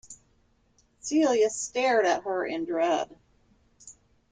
Celia stared at her in dread.